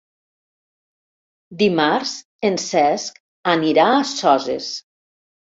Dimarts en Cesc anirà a Soses.